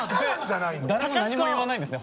誰も何も言わないんですね。